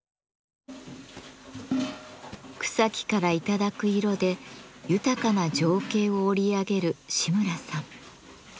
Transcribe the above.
草木からいただく色で豊かな情景を織り上げる志村さん。